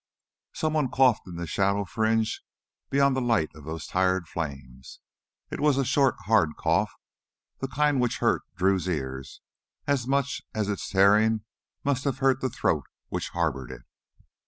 Someone coughed in the shadow fringe beyond the light of those tired flames. It was a short hard cough, the kind which hurt Drew's ears as much as its tearing must have hurt the throat which harbored it.